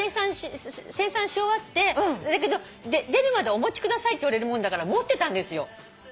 精算し終わってだけど「出るまでお持ちください」って言われるもんだから持ってたんですよ。